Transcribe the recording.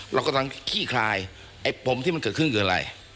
เราก็ต้องขี้คลายไอ้ผมที่มันเกิดขึ้นเกิดอะไร